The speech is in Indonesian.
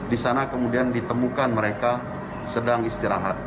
di sana kemudian ditemukan mereka sedang istirahat